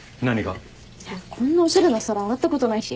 こんなおしゃれな皿洗ったことないし。